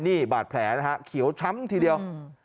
นี่บาดแผลนะฮะเขียวช้ำทีเดียว